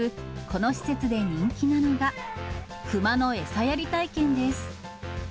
この施設で人気なのが、クマの餌やり体験です。